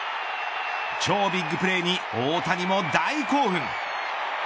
超ビッグプレーに大谷も大興奮。